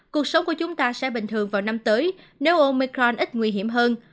cuộc sống của chúng ta sẽ bình thường vào năm tới nếu omicron ít nguy hiểm hơn